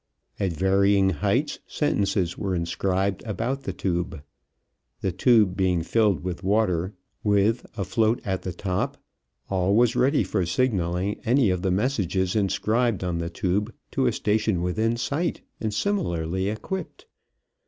At varying heights sentences were inscribed about the tube. The tube, being filled with water, with, a float at the top, all was ready for signaling any of the messages inscribed on the tube to a station within sight and similarly equipped.